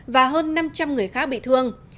và hơn năm trăm linh người khác bị thương